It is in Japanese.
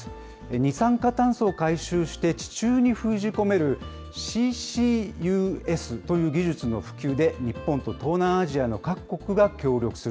二酸化炭素を回収して地中に封じ込める、ＣＣＵＳという技術の普及で日本と東南アジアの各国が協力する。